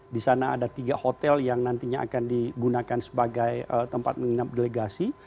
di sana ada tiga hotel yang nantinya akan digunakan sebagai tempat menginap delegasi